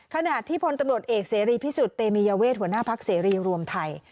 ขณะที่พลตำรวจเอกเสรีพิสุทธิ์เตมียเวทหัวหน้าพักเสรีรวมไทย